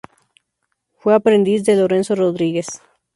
Fue aprendiz de Lorenzo Rodríguez.